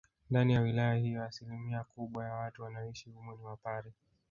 Ndani ya wilaya hiyo asilimia kubwa ya watu wanaoishi humo ni wapare